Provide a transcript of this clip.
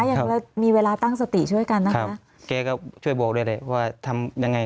ยังมีเวลาตั้งสติช่วยกันนะคะแกก็ช่วยบอกด้วยแหละว่าทำยังไง